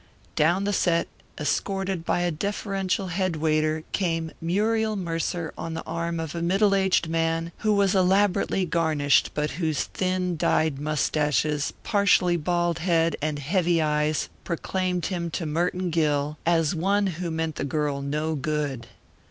Down the set, escorted by a deferential head waiter, came Muriel Mercer on the arm of a middle aged man who was elaborately garnished but whose thin dyed mustaches, partially bald head, and heavy eyes, proclaimed him to Merton Gill as one who meant the girl no good.